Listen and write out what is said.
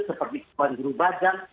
seperti pak guru bajang